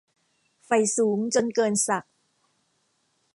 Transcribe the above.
ใฝ่สูงจนเกินศักดิ์